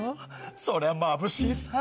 そりゃまぶしいさ